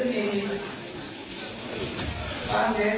มานี่ละมาสะเกิดที่ยิง